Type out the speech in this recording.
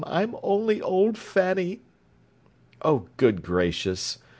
I'm only old Fanny!" "Oh, good gracious!